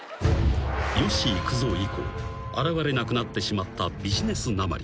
［吉幾三以降現れなくなってしまったビジネスなまり。